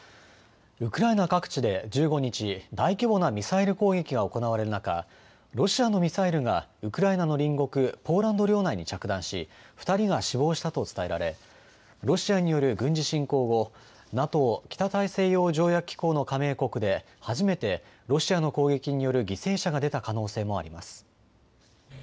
ウクライナ各地で１５日、大規模なミサイル攻撃が行われる中、ロシアのミサイルがウクライナの隣国ポーランド領内に着弾し２人が死亡したと伝えられロシアによる軍事侵攻後、ＮＡＴＯ・北大西洋条約機構の加盟国で初めてロシアの攻撃による犠牲者が出た可能性もあります。